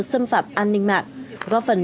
xâm phạm an ninh mạng góp phần